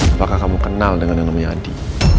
apakah kamu kenal dengan yang namanya adi